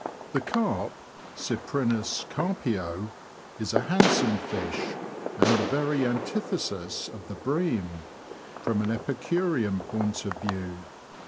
The Carp [Cyprinus carpio) is a handsome fish, and the very antithesis of the bream, from an epicurean point of view.